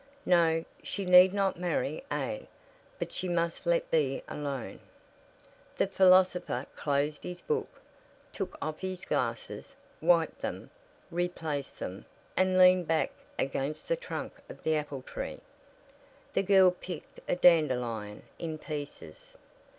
No, she need not marry A; but she must let B alone." The philosopher closed his book, took off his glasses, wiped them, replaced them, and leaned back against the trunk of the apple tree. The girl picked a dandelion in pieces.